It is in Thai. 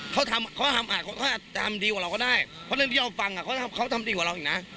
เค้าทำดีกว่าเราก็ได้เพราะหนึ่งที่เราฟังเค้าทำดีกว่าเราอีกนะ